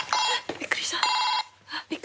びっくりした。